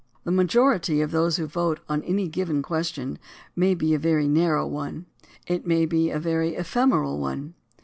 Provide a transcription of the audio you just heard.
The majority of those who vote on any given ques tion may be a very narrow one. It may be a very ephemeral one.